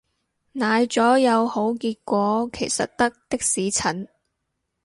奶咗有好結果其實得的士陳